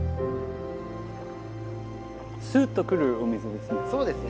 スッと来るお水ですね。